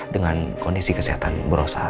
dengan kondisi kesehatan berosa